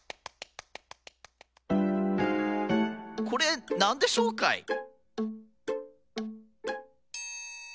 これなんでしょうかい？